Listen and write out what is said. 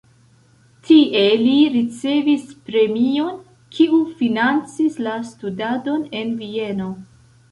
Tie li ricevis premion, kiu financis la studadon en Vieno.